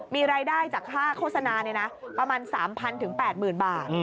มีรายได้จากค่าโฆษณาประมาณ๓๐๐๐ถึง๘หมื่นบาท